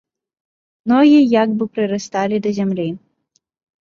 Ногі як бы прырасталі да зямлі.